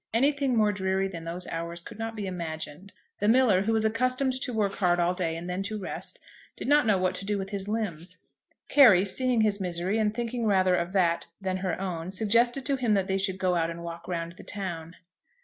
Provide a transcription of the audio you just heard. Anything more dreary than those hours could not be imagined. The miller, who was accustomed to work hard all day and then to rest, did not know what to do with his limbs. Carry, seeing his misery, and thinking rather of that than her own, suggested to him that they should go out and walk round the town.